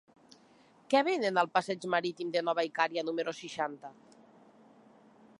Què venen al passeig Marítim de Nova Icària número seixanta?